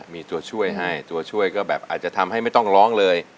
มีตัวช่วยให้ตัวช่วยก็แบบอาจจะทำให้ไม่ต้องร้องเลย